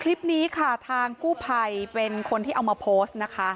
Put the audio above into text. คลิปนี้ค่ะทางกู้ภัยเป็นคนที่เอามาโพสต์นะคะ